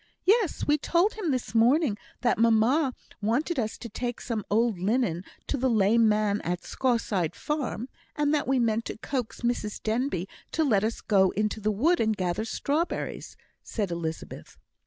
"Yes; we told him this morning that mamma wanted us to take some old linen to the lame man at Scaurside Farm, and that we meant to coax Mrs Denbigh to let us go into the wood and gather strawberries," said Elizabeth.